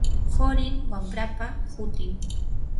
qurim wamrapa hutin.